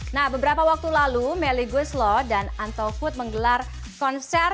nah beberapa waktu lalu melly guslo dan anto food menggelar konser